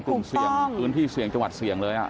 กลุ่มเสี่ยงพื้นที่เสี่ยงจังหวัดเสี่ยงเลย